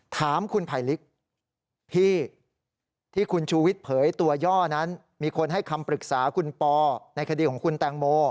ถามคุณไผลลิกพี่ที่คุณชูวิทย์เผยตัวย่อนั้นมีคนให้คำปรึกษาคุณปอในคดีของคุณแตงโม